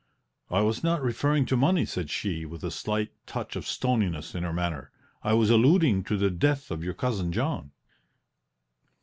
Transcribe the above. "I was not referring to money," said she, with a slight touch of stoniness in her manner; "I was alluding to the death of your Cousin John."